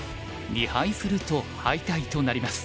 ２敗すると敗退となります。